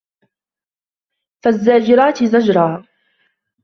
فالزاجرات زجرا